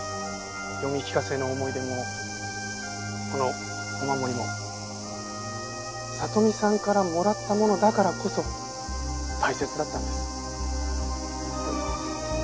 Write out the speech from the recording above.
読み聞かせの思い出もこのお守りも里美さんからもらったものだからこそ大切だったんです。